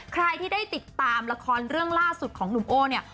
ใครที่ได้ติดตามละครเรื่องล่าสุดของหนุ่มโอ้เนี่ย